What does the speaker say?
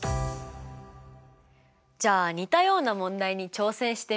じゃあ似たような問題に挑戦してみましょうか？